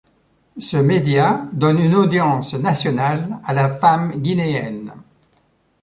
Ce média donne une audience nationale à la femme guinéenne.